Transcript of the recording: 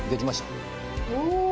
お！